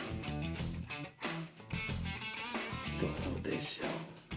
どうでしょう？